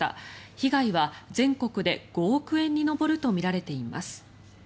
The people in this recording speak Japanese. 被害は全国で５億円に上るとみられています。